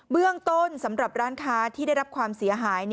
เรื่องต้นสำหรับร้านค้าที่ได้รับความเสียหาย